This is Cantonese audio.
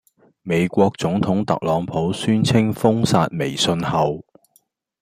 美國總統特朗普宣稱封殺微信後